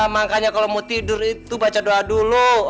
makanya kalau mau tidur itu baca doa dulu